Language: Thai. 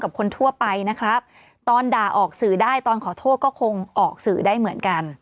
คนทั่วไปนะครับตอนด่าออกสื่อได้ตอนขอโทษก็คงออกสื่อได้เหมือนกัน